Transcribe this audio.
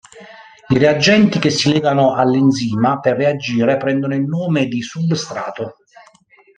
I reagenti che si legano all'enzima per reagire prendono il nome di "substrato".